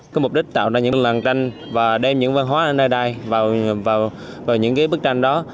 cái mục đích tạo ra những làng tranh và đem những văn hóa ở nơi đây vào những cái bức tranh đó